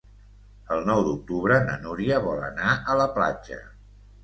El nou d'octubre na Núria vol anar a la platja.